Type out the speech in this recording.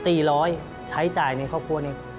สี่ร้อยใช้จ่ายในครอบครัวเนี่ย